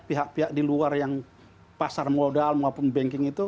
pihak pihak di luar yang pasar modal maupun banking itu